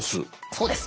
そうです。